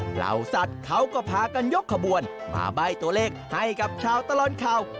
เหล่าสัตว์เขาก็พากันยกขบวนมาใบ้ตัวเลขให้กับชาวตลอดข่าว